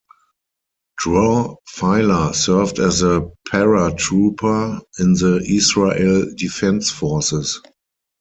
Dror Feiler served as a paratrooper in the Israel Defense Forces.